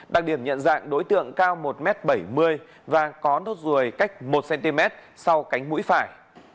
đặc điểm nhận dạng đối tượng cao một m bảy mươi và có nốt ruồi cách một cm sau cánh mũi phải